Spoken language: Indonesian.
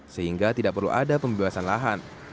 sehingga tidak perlu ada pembebasan lahan